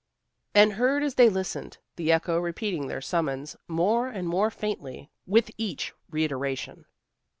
and heard as they listened, the echo repeating their summons more and more faintly with each reiteration.